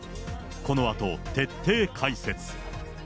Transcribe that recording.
このあと、徹底解説。